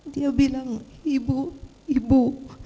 dia bilang ibu ibu